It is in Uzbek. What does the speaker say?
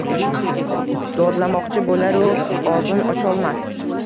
Dodlamoqchi bo’laru og’zin ocholmas